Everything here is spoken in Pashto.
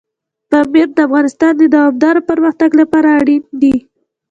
پامیر د افغانستان د دوامداره پرمختګ لپاره اړین دي.